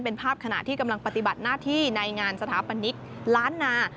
เป็นภาพขณะที่กำลังปฏิบัติหน้าที่ในงานสถาปนิกล้านนา